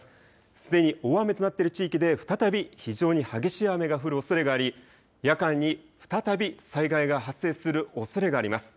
すでに大雨となっている地域で再び非常に激しい雨が降るおそれがあり、夜間に再び災害が発生するおそれがあります。